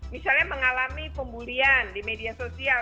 misalnya mengalami pembulian di media sosial